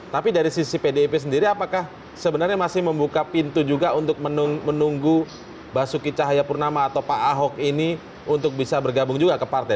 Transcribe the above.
tapi dari sisi pdip sendiri apakah sebenarnya masih membuka pintu juga untuk menunggu basuki cahayapurnama atau pak ahok ini untuk bisa bergabung juga ke partai